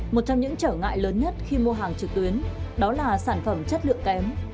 một trong những trở ngại lớn nhất khi mua hàng trực tuyến đó là sản phẩm chất lượng kém